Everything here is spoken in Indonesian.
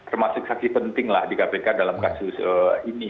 termasuk saksi penting lah di kpk dalam kasus ini